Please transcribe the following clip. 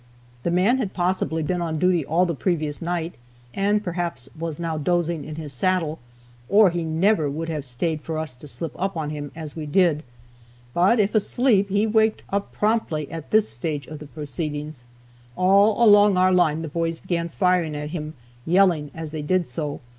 The man had possibly been on duty all the previous night, and perhaps was now dozing in his saddle, or he never would have stayed for us to slip up on him as we did. But if asleep, he waked up promptly at this stage of the proceedings. All along our line the boys began firing at him, yelling as they did so.